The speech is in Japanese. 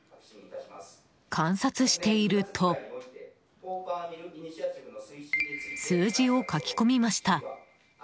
観察していると数字を書き込みました。